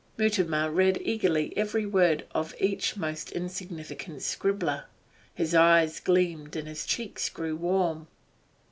Mutimer read eagerly every word of each most insignificant scribbler; his eyes gleamed and his cheeks grew warm.